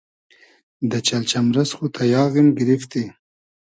دۂ چئلجئمرئس خو تئیاغیم گیریفتی